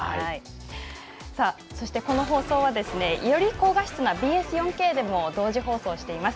そしてこの放送はより高画質なＢＳ４Ｋでも同時放送しています。